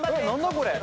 これ。